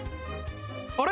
あれ？